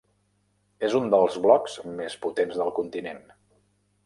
És un dels blocs més potents del continent.